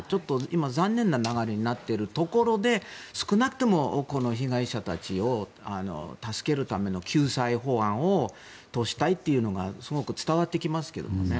今、残念な流れになっているところで少なくとも被害者たちを助けるための救済法案を通したいというのがすごく伝わってきますけどね。